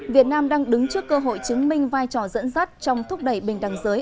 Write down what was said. việt nam đang đứng trước cơ hội chứng minh vai trò dẫn dắt trong thúc đẩy bình đẳng giới